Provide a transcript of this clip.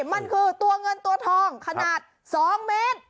มันคือตัวเงินตัวทองขนาด๒เมตร